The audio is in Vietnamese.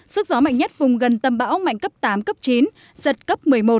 sức gió mạnh nhất vùng gần tâm bão mạnh cấp tám cấp chín giật cấp một mươi một